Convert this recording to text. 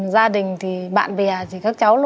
gia đình thì bạn bè thì các cháu